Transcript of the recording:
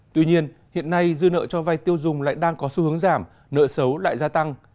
tuy nhiên hiện nay dư nợ cho vay tiêu dùng lại đang có xu hướng giảm nợ xấu lại gia tăng